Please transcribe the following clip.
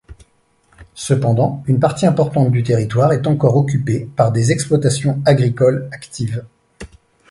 Cependant une partie importante du territoire est encore occupée par des exploitations agricoles actives.